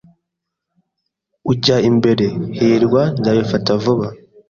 Ujya imbere, hirwa. Nzabifata vuba.